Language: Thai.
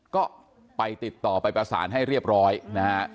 ก็ไปติดต่อไปประสานให้เรียบร้อยนะฮะ